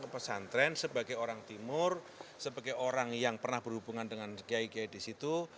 pesantren sebagai orang timur sebagai orang yang pernah berhubungan dengan kiai kiai di situ